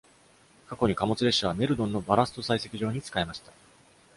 過去に、貨物列車はメルドンのバラスト採石場に仕えました。